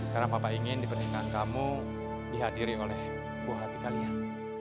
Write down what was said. karena papa ingin di pernikahan kamu dihadiri oleh buah hati kalian